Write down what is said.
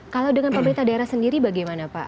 kalau dengan pemerintah daerah sendiri bagaimana pak